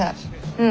うん。